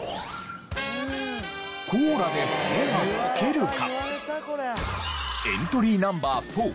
「コーラで骨が溶ける」か？